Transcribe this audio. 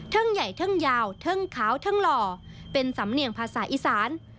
ใหญ่ทั้งยาวทั้งขาวทั้งหล่อเป็นสำเนียงภาษาอีสาน